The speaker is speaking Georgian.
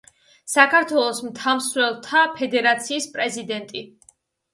საქართველოს მთამსვლელთა ფედერაციის პრეზიდენტი.